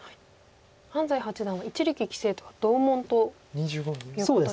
安斎八段は一力棋聖とは同門ということで。